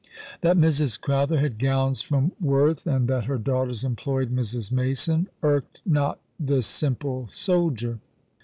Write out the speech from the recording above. That Mrs. Crowther had gowns from Worth, and that her daughters employed Mrs. Mason, irked not this simple soldier.